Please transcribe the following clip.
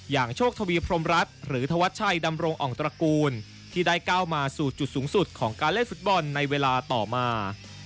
โชคทวีพรมรัฐหรือธวัชชัยดำรงอ่องตระกูลที่ได้ก้าวมาสู่จุดสูงสุดของการเล่นฟุตบอลในเวลาต่อมา